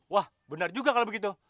wah benar juga kalau begitu